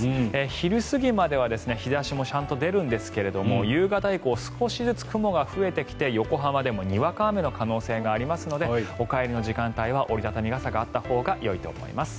昼過ぎまでは日差しもちゃんと出るんですけれども夕方以降少しずつ雲が増えてきて横浜でもにわか雨の可能性がありますのでお帰りの時間帯は折り畳み傘があったほうがよいと思います。